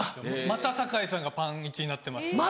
「また酒井さんがパンイチになってます」って。